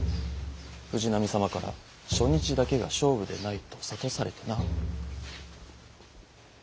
藤波様から初日だけが勝負でないと諭されてな。